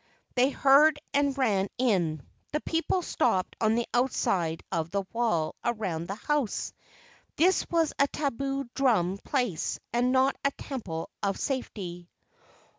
They heard and ran in. The people stopped on the outside of the wall around the house. This was a tabu drum place, and not a temple of safety.